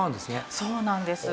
そうなんです。